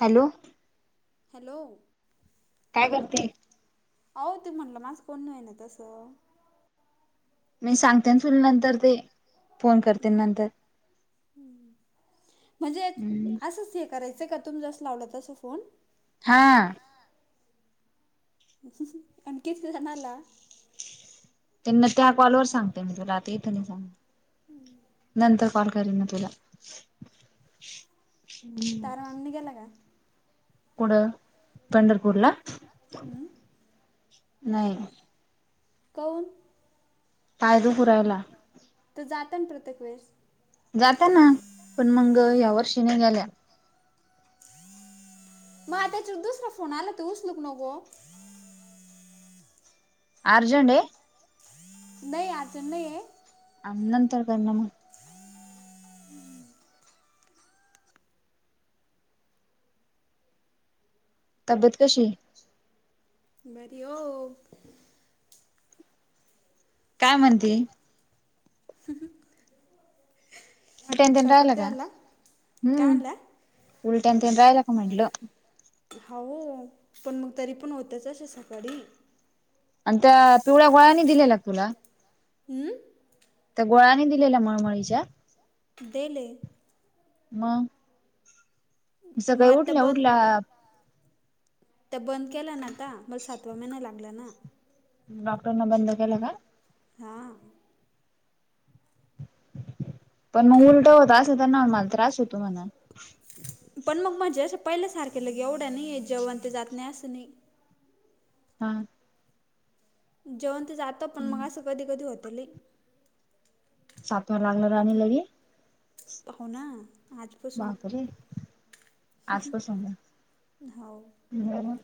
Hello. Hello. काय करते? अहो त्यो म्हनला माज कोण नाही तसं मी सांग नंतर [unintelligible] म्हणजे हम्म असच हे करायचं का तुमी जस लावलं तस फोन हा. आणखीच जणाला त्यांना त्या कॉल वर सांगते मी तुला आता इथं सांगते. नंतर कॉल करेल मी तुला [unintelligible] कुठं पंढरपूरला हं? नाही कौन कायदो पुरायला तर जाता ना प्रत्येक वेळेस जाता ना पण मग या वर्षीने गेल्या म त्याच्या दुसर फोन आला त उसलुक नको अर्जंड आहे. नाही अर्जंट नाही आहे. आणि नंतर कर ना मग [inaudible] तब्येत कशी ये? बरी वो काय म्हणती? हम्म उलट्यान ते स्वयंपाक राहिल का, आणला का हम्म, आणला उलट्या तेन राहिल का म्हटलं? हावु पण मग तरी पण होतच अशे सकाळी आणि त्या पिवळ्या गोळ्या नाही दिलेल्या तुला? हम्म त्या गोळ्या नाही दिलेल्या मळमळीच्या? देल हे. मग. मग सगळी आता उठल्या उठल्या त्या बंद केल्यान आता मला सातवा महिना लागला ना डॉक्टर न बंद केल्या का? हां. पण मग उलट होत असं तर ना मला त्रास होतो म्हणा पण मग माझे असं पहिल्या सारखे लगे एवढ्या नाही जेवण ते जात नाही असं नाही. हां. जेवण ते जात पण मग अस कधी, कधी होतेली. सातवा लागला राणी लेबी हो ना आजपासून बापरे आजपासून का हो होयना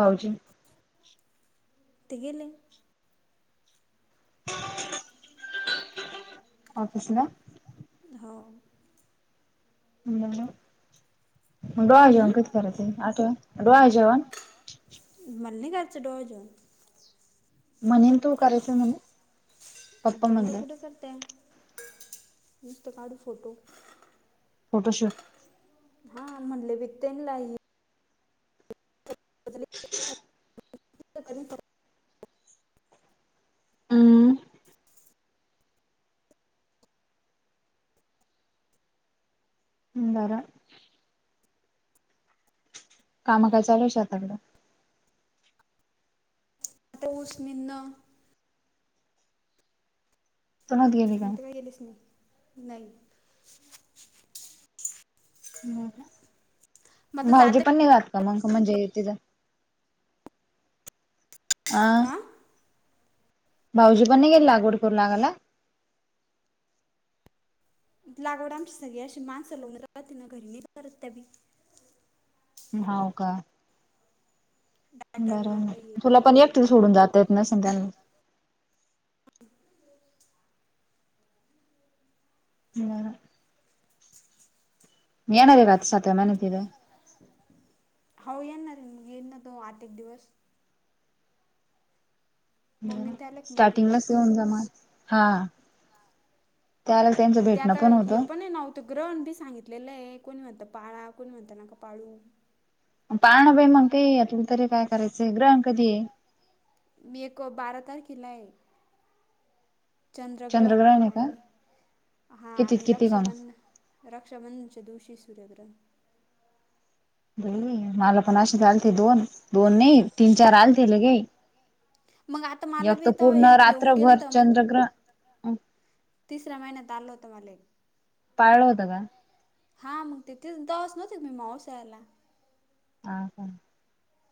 भाऊजी. ते गेले. [inaudible] ह [inaudible] [inaudible] ऑफिसला. हो.. मग डोहाळे जेवण हं? कधी करायचं आठव डोहाळे जेवण मला नाही करायचं डोहाळे जेवण म्हणेन तू करायच म्हणून. जाऊन दे कुठं करताय नुसतं काढू फोटो फोटोशूट. हा म्हणले बी त्याना लाई बचली [inaudible] [unintelligible] हम्म बरं. काम काय चालूय शेताकड? आता ऊस निदन. तू नव्हती गेली मी तर काय गेलेच नाही, नाही. नाही का, मग आता भाऊजी जाते पण नाही जात का मग म्हणजे तिथ? आं.. हा भाऊजी पण नाही गेले लागवड करु लागायला? लागवड आमची सगळी अशी माणसं लावून राहतीन घरी नाही करत त्याबी हाव का. डॉक्टर बरं ना आहे काही मग हे तुला पण एकटे सोडून जात येत नासल त्यांना. ह येणाररीहात सत्व मनत आहे. हो येणार रे येईन ना तो आठ एक दिवस मम्मी त्याला मग येईल स्टार्टिंगलाच येऊन जामा हा. त्याला त्यांचं आणि ते भेटणं आता हे होतं. पण नव्हत. त ग्रहण बी सांगितलेले आहे कोण म्हणता पाळा कोण म्हणता नका पाळू. पाणं बाई मग का यातलं तरी काय करायचंय ग्रह कधी आहे. मी एक बारा तारखेला आहे. चंद्रग्रहण आहे का? आणि हा कितीत आणि किती गं? रक्षाबंध रक्षाबंधनच्या दिवशी सूर्यग्रंथ मला पण असेच आलते दोन दोन नाही तीन चार आलते लगे मग आता मला एक तर भेतावया पूर्ण की येऊन गेल रात्रभर तर मला चंद्रग्रहण तिसरा महिनात आल होत म्हाला. पाळलं होतं का? हां मग तेिथेच दिवस नव्हतेच मी माऊसा्याला हा का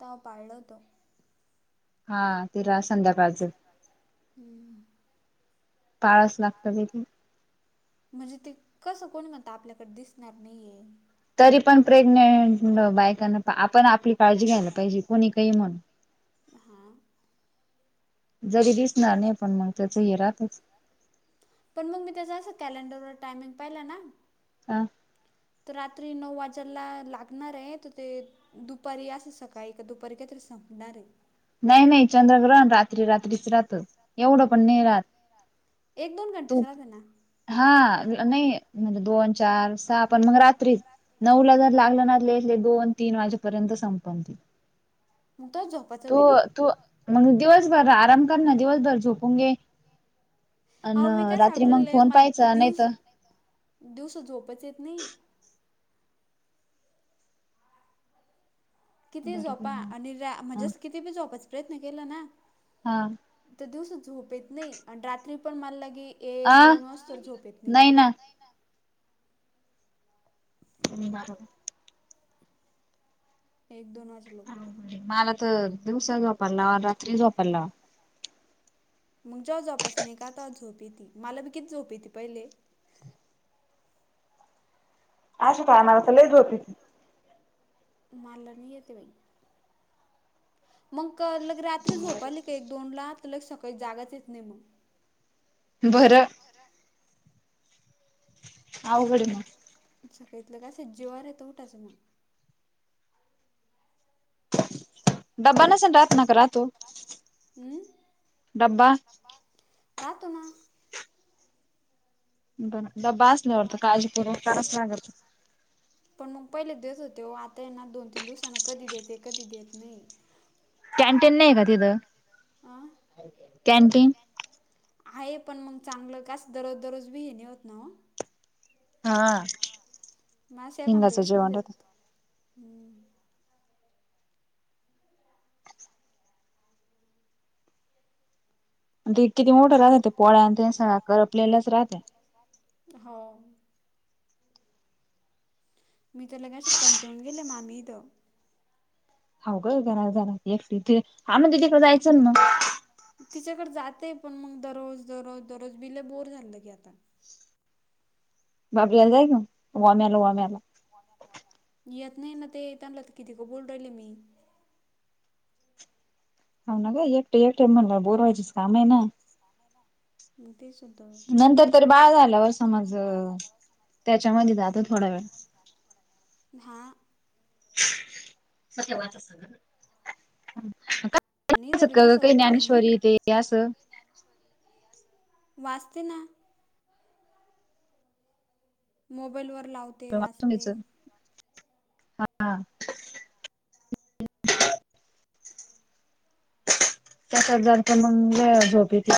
त पाळल तो? हा ते रा संध्याकाळचं हम्म पाळस लागत तथे म्हणजे ते कसं कोण मत आपल्याकडे दिसणार नाहीये. तरी पण प्रेग्नेंट बायकांना आपण आपली काळजी घ्यायला पाहिजे कोणी काही म्हणून हा जरी दिसणार नाही पण मग त्याच हे राहतच. पण मग मी त्याच असं कॅलेंडरवर टायमिंग पाहिलं ना... हा तर रात्री नऊ वाजाला लागणार आहे तर ते दुपारी असं सकाळी एक दुपारी का तरी संपणारे. नाही नाही चंद्रग्रहण रात्री रात्रीच राहत. एवढं पण ने राात एक दोन घंटेच तू राहते ना हा नाही म्हणजे दोन चार सहा पण मग रात्री. नऊ ला जर हां लागलं ना लले दोन तीन वाजेपर्यंत संपतील. मुतच तो तू मग दिवसभर आराम कर ना दिवसभर झोपून घे. अ अहो मी काय रात्री सांगू मग राहिले फोन मला पाहायचा नाहीत. दिवस दिवस झोपच येत नाही. किती बरोबर झोपा मग आणि रा म्हणजे हा अस किती बी झोपायचा प्रयत्न केला ना. हा तर दिवस झोपेत नाही आणि रात्री पण मला लागे एक आ दोन वाज तर झोपेत नाही. ह बर एक दोन वाज मला तर दिवसा झोपरला रात्री झोपरला. मग जो्हा जोपास नाही का तो्हा झोप त मला ब कि झोपे त पहिले. अशा पाणार लच होती ती मारला नाही येत बाई. मग लग रात्री झोपाली का एक दोन ला तर लग सकाळी जागाच येत नाही मग. बरं. अघड हाय मग. सकळतलं का सज्जिवार येतो उठाच मग. ड्बा नसे राहत नाका रा तो. हम रातो ना. बरं डब्बा असल्यावर त काळजीपूरव करावंच लागल. पण मग पहिले देत होते आता ये ना दोन तीन दिवसांना कधी देते कधी देत नाही. कॅन्टीन नाही का तिथं आ? कॅनटीन. आहे पण मग चांगलं कास दररोज दररोज बी हेणे होत ना हो. हा. मग असं एखाद हिंगाचं वेळेस मी जेवण राहत. देतो. आणि ते किती मोठं राहतात ते पोळ्या आणि ते सगळं करपलेलेच राहत्यात. हो. मी तर लगे अ अस कंटवंग गेले माम्ही इथं. हो का घरा झाला एकटीथे हा ना त तिकडे जायचं मग. तिच्याकडे जातेय पण मग दररोज दररोज दररोज बिले बोर झालं की आता. बापरया जाय क. येत नाही ना ते त्यांलं किती का बोल राहिल मी. हो ना का एक एकटा म्हण बोरवायचीस काम आहे ना. मग तेच होतं. तर बाळ झाल्यावर समज त्याच्यामध्ये जातात. हा. क वाच ना [unintelligible] आणि [inaudible] चत इथं बी का कसं काही काम ज्ञानेश्वरी तेे असं वाचते ना. मोबाईलवर लाव. कवा वाचन घ्यायचं हा हा. सात [inaudible] हजारचा मंग झोपे त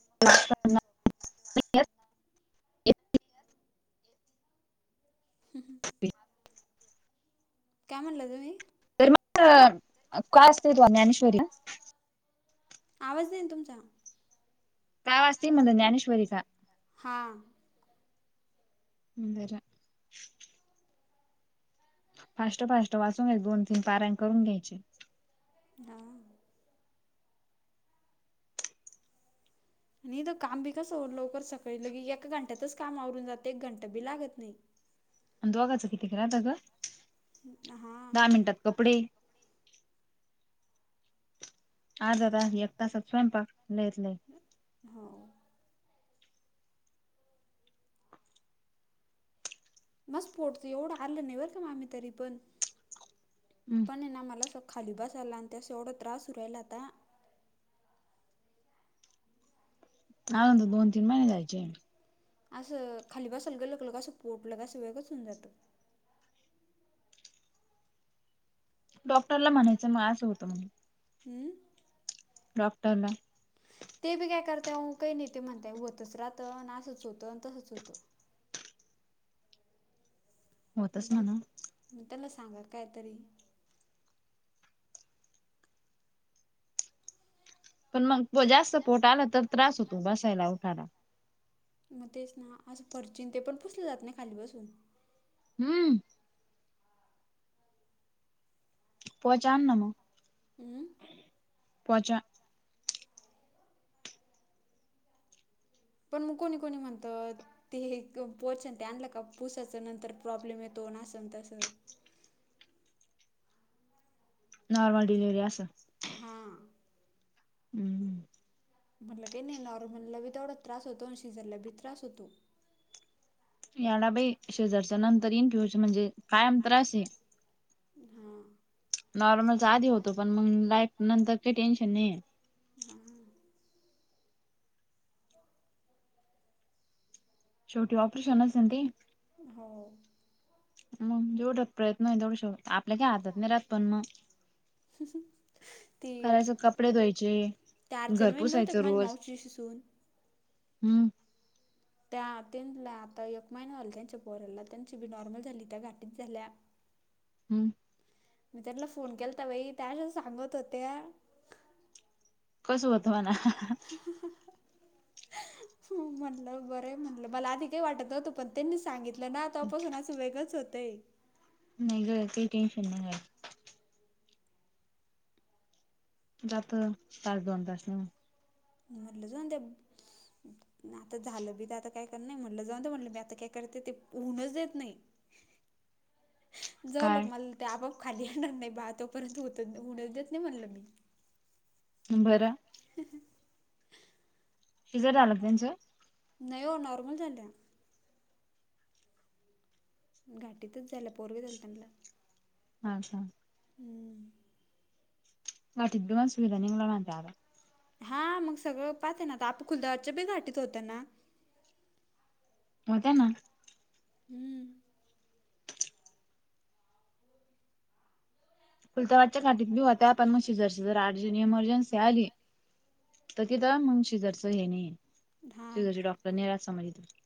का म्हणालं तुम्ही. तर मग काय असते तू ज्ञानेश्वरीला ना. आवाज देईन तुमचा. काय वाजते मला ज्ञानेश्वरीचा. ''हां'' मंदरा. फास्ट फास्ट वाचून घ्याय दोन तीन पार्यां करून घ्यायचे. अ. आणि तर काम बी कसं हो लवकर सकाळी लगे एका घंट्यातच काम आवरून जात एक घंटा बी लागत नाही. आणि दोघाच किती राहता ग हां दहा मिनिटात कपडे. आज जरा एक तासात स्वयंपाक लेतल लय. होव. मस् पोटच एवढं हल्लो नाही बर का मामी तरी पण हम्म पण है ना मला स ''--'' खाली बसला आणि त्या स एवढं त्रासर राला आता. हाव दोन तीन महिने जायचे. असं खाली बस सलगं लगलं कसं पोटलं कसं वेळंच होऊन जातं. डॉक्टरला म्हणायचं मग असं होतं म्हणुन. हम्म! डॉक्टर ला. ते बी काय करतेय ये काही नाही ते म्हणताय होतच राहतं आणि असंच होतं तसंच होतं. मग होतच त्यां म्हणा. त्याला सांगा काय तरी. पण मग जास्त पोट आलं तर त्रास होतो बसायला उठायला. मग तेच ना असं परचिन ते पण पुसले जात नाही खालीबसुन. हम्म! पोहचण ना मग, हमंम. पोचा. पण मग कोणी कोणी म्हणतात. ते हे पोहचन ते आणलं का पुसाच नंतर प्रॉब्लेम येतो ना अस तसं. नॉर्मल डिलिव्हरी असं. हा. हम्म. म्हटलं का नाही नॉर्मललाभी तेवढाच त्रास होतो, आणि सिजरला बी त्रास होतो. याला बाई सिजर चा नंतर येईन पिवायच म्हणजे काय आम त्रास आहे. हा. नॉर्मलचा आधी होतो पण मग लाईफ नंतर काही टेन्शन नाहीये. हा. शेवटी ऑपरेशनच आहे ना ते. हो मग जेवढच प्रयत्न हो तेवढ श आपल्या काय हातात नाही राहत पण मग. [inaudible] ती ते करायचं कपडे धुवायचे घर अर्चना वहिनी नव्हते पुसायचं का माझ्या रोज मावशीच्या सून. हम्म. त्या त्यांना आता एक महिना झाला, त्यांच्या पोराला त्यांची बिनॉर्मल झाली त्या गाठी झाल्या. हम्म. मी त्याला फोन केलता बाई त्याश सांगत होत्या. कसं होतं म्हणा. म्हणलं बरं म्हणल मला आधी काही वाटत नव्हतं, पण त्यांनी सांगितलं ना तपासून वेगंच होतंय. नाही ग काही टेन्शन नाही घ्यायचा. जातं तास दोन तास न. मी म्हटलं जाऊ दे! आता झालं बी तर आता काय कर नाही म्हटलं जाऊन ते म्हटलं आता काय करते ते होऊनच देत नाही. जाऊ लक काय मला ते आपआप खाली येणार नाही बा तोपर्यंत होत होण देत नाही म्हणल मी. बरं! [inaudible] शिजर झालं का त्यांचं? नाही हो नॉर्मल झाल्या. घाटीतच झाल्या पोरग झाला त्यानाला. हा अच्छा! हम्म. [unintelligible] सुविधा निघल्या म्हणता आता. हा मग सगळं पाहते ना आता. आप खुलदाबादच्या बी घाटीत होतं ना. होत्या ना. हं. खुलताबादच्या घाटीत बी होत्या पण म सिजर सिजर अर्जंट इमर्जन्सी आली त तिथ मग शिजरचं हे नहीये. हा शिजरचे डॉक्टर नाही राहत [unintelligible] इथ.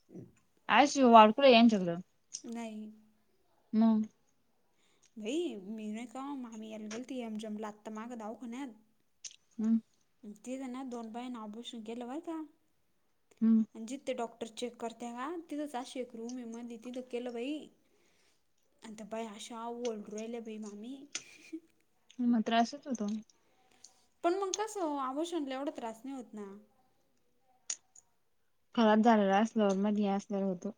[inaudible] आई सी यू वॉर्ड कुड यांच्याकडं? नाही मग. भई मी नही का ओ मामी याला गेलतो एमजेम ला आत्ता मागं दवाखान्यात. हं. तिद ना दोन बायांनी अबोर्शन केलं बरं का. हं. जिथ ते डॉक्टर चेक करता का तिथंच अशी एक रूम ये मधी. तिथं केलं बाई. अन त्या बाया अशा वरडू रायल्या बाई मामी. म त्रासच होतो. पण मग कसं ओ? ओबर्शनला एवढं त्रास नाही होत ना. खराब झालेला असल्यावर, मध्ये हे असल्यावर होतो.